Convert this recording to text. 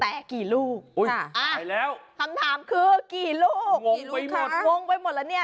แต่กี่ลูกอุ้ยตายแล้วคำถามคือกี่ลูกงงไปหมดงงไปหมดแล้วเนี่ย